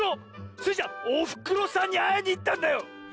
スイちゃんおふくろさんにあいにいったんだよ！